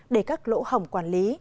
để các lỗ hỏng quản lý